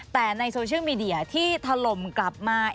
แต่ในโซเชียลมีเดียที่ถล่มกลับมา